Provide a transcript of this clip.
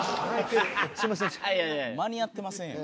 間に合ってませんやん。